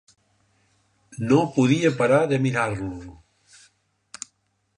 No podia parar de mirar-lo.